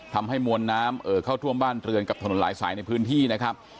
ทำให้มวลน้ำเอ่อเข้าท่วมบ้านเรือนกับถนนหลายสายในพื้นที่นะครับ